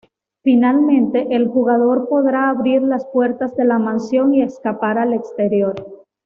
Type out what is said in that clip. Finalmente, el jugador podrá abrir las puertas de la mansión y escapar al exterior.